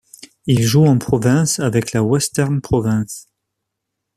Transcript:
Il joue en province avec la Western Province.